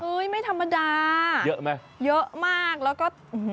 เฮ้ยไม่ธรรมดาเยอะมั้ยเยอะมากแล้วก็